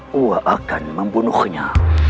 gua akan membunuhnya